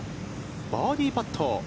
バーディーパット。